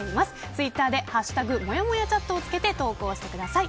ツイッターで「＃もやもやチャット」をつけて投稿してください。